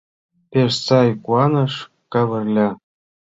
— Пеш сай! — куаныш Кавырля.